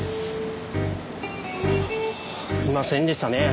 いませんでしたね。